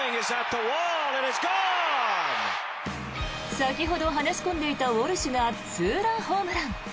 先ほど話し込んでいたウォルシュがツーランホームラン。